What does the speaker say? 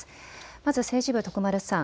まず政治部徳丸さん。